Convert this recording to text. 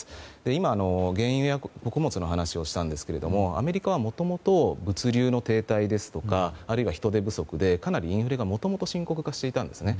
今、原油や穀物の話をしたんですけどアメリカはもともと物流の停滞ですとかあるいは人手不足でかなりインフレがもともと深刻化していたんですね。